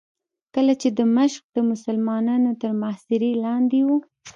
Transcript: کله چې دمشق د مسلمانانو تر محاصرې لاندې و.